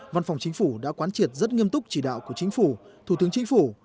văn phòng chính phủ đã quán triệt rất nghiêm túc chỉ đạo của chính phủ thủ tướng chính phủ